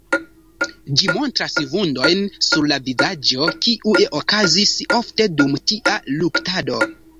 Ĝi montras vundojn sur la vizaĝo, kiuj okazis ofte dum tia luktado.